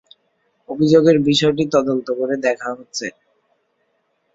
অভিযোগের বিষয়টি তদন্ত করে দেখা হচ্ছে।